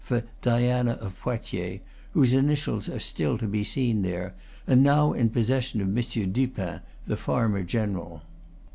for Diana of Poitiers, whose initials are still to be seen there, and now in possession of M. Dupin, the farmer general.